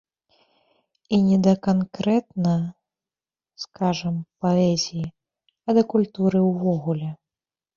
І не да канкрэтна, скажам, паэзіі, а да культуры ўвогуле.